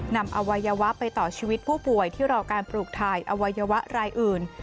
อวัยวะไปต่อชีวิตผู้ป่วยที่รอการปลูกถ่ายอวัยวะรายอื่น